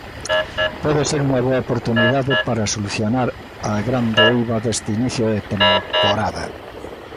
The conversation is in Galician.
Pode ser unha boa oportunidade para solucionar a grande eiva deste inicio de temporada.